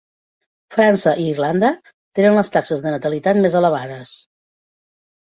França i Irlanda tenen les taxes de natalitat més elevades.